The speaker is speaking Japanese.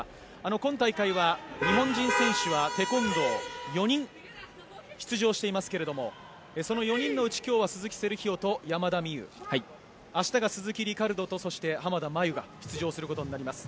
今大会は日本人選手はテコンドー４人出場していますけれどもその４人のうち今日は鈴木セルヒオと山田美諭明日が鈴木リカルドと濱田真由が出場することになります。